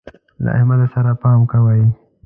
له احمد سره پام کوئ.